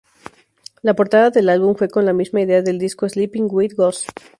La portada del álbum fue con la misma idea del disco Sleeping with Ghosts.